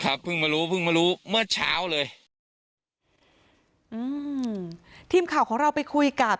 เพิ่งมารู้เพิ่งมารู้เมื่อเช้าเลยอืมทีมข่าวของเราไปคุยกับ